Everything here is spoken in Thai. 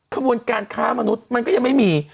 ขบวนการค้ามนุษย์มันก็ยังไม่มี